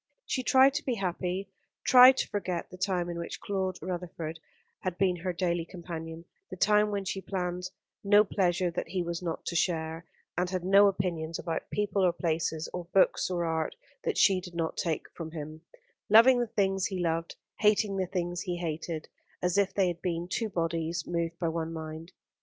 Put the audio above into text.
She tried to be happy, tried to forget the time in which Claude Rutherford had been her daily companion, the time when she planned no pleasure that he was not to share, and had no opinions about people or places, or books or art, that she did not take from him: loving the things he loved, hating the things he hated; as if they had been two bodies moved by one mind.